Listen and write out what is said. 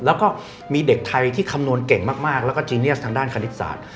แล้วก็มีเด็กไทยที่คำนวณเก่งมากแล้วก็จีเนียสทางด้านคณิตศาสตร์